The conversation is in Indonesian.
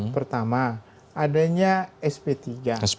pertama adanya sp tiga